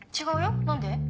違うよ何で？